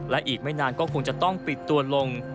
และอีกไม่นานก็คงจะต้องปิดตัวลง